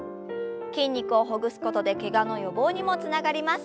筋肉をほぐすことでけがの予防にもつながります。